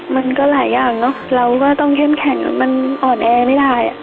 มันก็หลายอย่างเนอะเราก็ต้องเข้มแข็งมันอ่อนแอไม่ได้